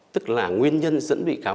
tức là nguyên nhân dẫn bị cáo